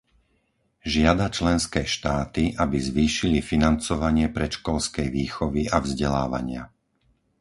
Žiada členské štáty, aby zvýšili financovanie predškolskej výchovy a vzdelávania.